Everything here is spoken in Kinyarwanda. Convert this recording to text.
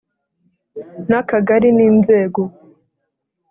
N akagari n inzego